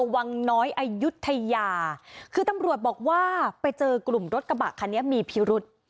วังน้อยอายุทยาคือตำรวจบอกว่าไปเจอกลุ่มรถกระบะคันนี้มีพิรุษ